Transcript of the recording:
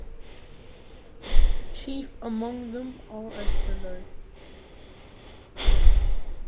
Chief among them are as below.